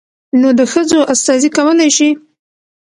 نود ښځو استازي کولى شي.